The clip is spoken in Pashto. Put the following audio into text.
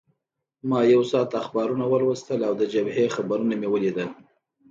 ما یو ساعت اخبارونه ولوستل او د جبهې خبرونه مې ولیدل.